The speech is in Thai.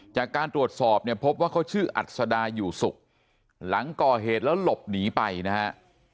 จากการตรวจสอบเนี่ยพบว่าเขาชื่ออัศดาอยู่สุขหลังก่อเหตุแล้วหลบหนีไปนะฮะ